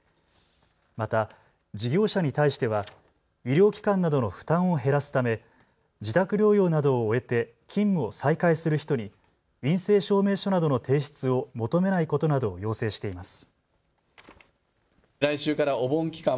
また、事業者に対しては医療機関などの負担を減らすため自宅療養などを終えて勤務を再開する人に陰性証明書などの提出を求めないことなどを要請しています。